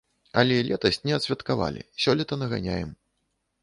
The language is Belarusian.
Але летась не адсвяткавалі, сёлета наганяем.